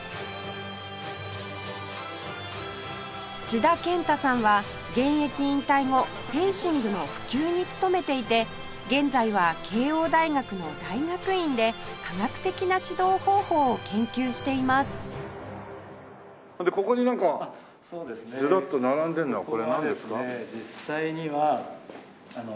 千田健太さんは現役引退後フェンシングの普及に努めていて現在は慶應大学の大学院で科学的な指導方法を研究していますでここになんかズラッと並んでるのはこれはなんですか？これはですね